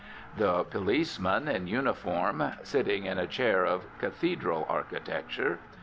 The policeman, in uniform (sitting in a chair of cathedral architecture).